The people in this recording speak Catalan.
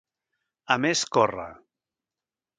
A més córrer.